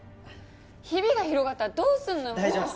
ヒビが広がったらどうするのよもう！